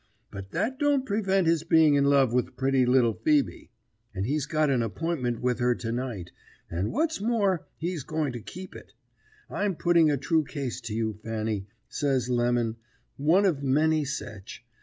But that don't prevent his being in love with pritty little Ph[oe]be, and he's got an appointment with her to night; and, what's more, he's going to keep it." I'm putting a true case to you, Fanny,' says Lemon, 'one of many sech.